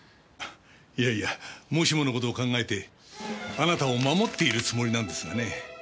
いやいやもしものことを考えてあなたを守っているつもりなんですがね。